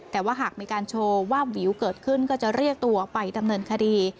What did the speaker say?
แต่ว่าหากมีการโชว์วาบวิวเกิดขึ้นก็จะเรียกตัวไปดำเนินคดี